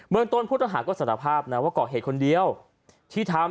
เมืองต้นผู้ต้องหาก็สารภาพนะว่าก่อเหตุคนเดียวที่ทำ